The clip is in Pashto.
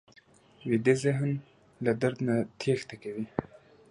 ویده ذهن له درد نه تېښته کوي